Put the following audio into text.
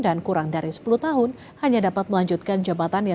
dan kurang dari sepuluh tahun hanya dapat melanjutkan jabatannya